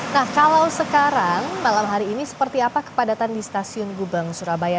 nah kalau sekarang malam hari ini seperti apa kepadatan di stasiun gubeng surabaya